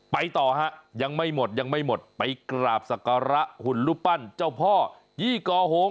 ต่อฮะยังไม่หมดยังไม่หมดไปกราบศักระหุ่นรูปปั้นเจ้าพ่อยี่กอโหง